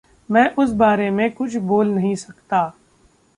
मैं उस बारे में कुछ बोल नहीं सकता।